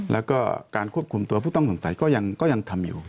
แล้วก็การควบคุมตัวผู้ต้องสงสัยก็ยังทำอยู่